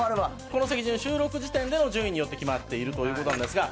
この席順収録時点での順位によって決まっているという事なんですが。